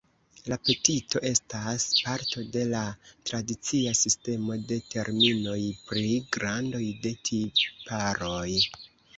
La petito estas parto de la tradicia sistemo de terminoj pri grandoj de tiparoj.